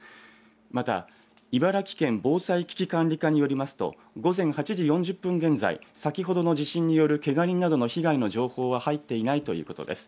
また茨城県防災危機管理課によりますと午前８時４０分現在、先ほどの地震によるけが人などの被害の情報は入っていないということです。